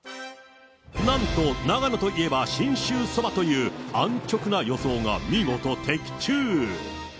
なんと、長野といえば信州そばという、安直な予想が見事的中。